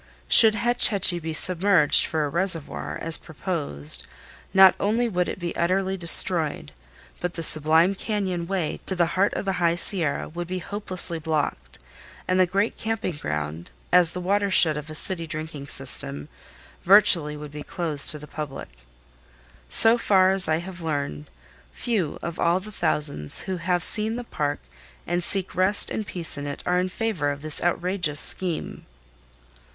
Should Hetch Hetchy be submerged for a reservoir, as proposed, not only would it be utterly destroyed, but the sublime cañon way to the heart of the High Sierra would be hopelessly blocked and the great camping ground, as the watershed of a city drinking system, virtually would be closed to the public. So far as I have learned, few of all the thousands who have seen the park and seek rest and peace in it are in favor of this outrageous scheme.